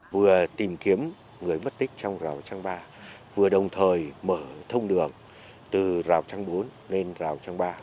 vừa tìm kiếm người mất tích trong rào trang ba vừa đồng thời mở thông đường từ rào trang bốn lên rào trang ba